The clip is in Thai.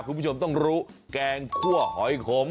คุณผู้ชมต้องรู้แกงคั่วหอยขม